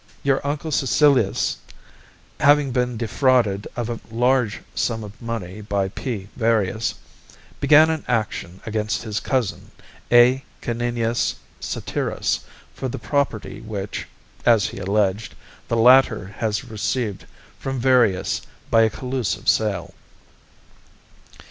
Your uncle Caecilius having been defrauded of a large sum of money by P. Varius, began an action against his cousin A. Caninius Satyrus for the property which (as he alleged) the latter had received from Varius by a collusive sale.